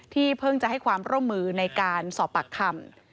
เพิ่งจะให้ความร่วมมือในการสอบปากคำ